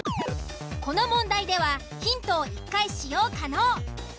この問題ではヒントを１回使用可能。